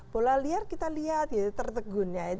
bola liar kita lihat gitu tertegun ya